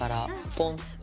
ポン！